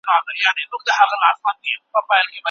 څوک په ټولنه کې پریکړې کوي؟